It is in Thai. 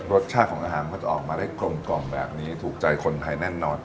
รสชาติของอาหารเขาจะออกมาได้กลมกล่อมแบบนี้ถูกใจคนไทยแน่นอน